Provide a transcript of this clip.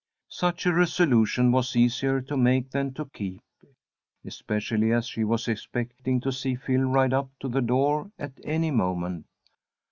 Such a resolution was easier to make than to keep, especially as she was expecting to see Phil ride up to the door at any moment.